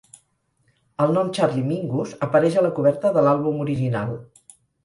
El nom "Charlie Mingus" apareix a la coberta de l'àlbum original.